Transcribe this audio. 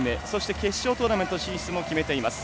決勝トーナメント進出も決めています。